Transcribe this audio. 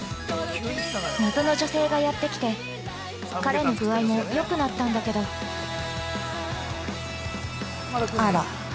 ◆謎の女性がやってきて、彼の具合もよくなったんだけど、◆あら。